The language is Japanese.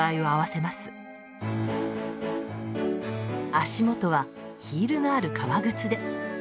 足元はヒールのある革靴で。